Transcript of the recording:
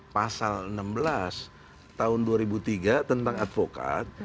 pasal enam belas tahun dua ribu tiga tentang advokat